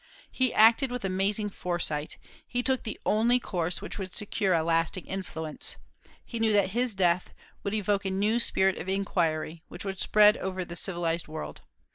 He acted with amazing foresight; he took the only course which would secure a lasting influence. He knew that his death would evoke a new spirit of inquiry, which would spread over the civilized world.